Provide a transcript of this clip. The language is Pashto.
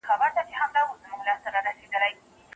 یوبل ته ډالۍ ورکړئ.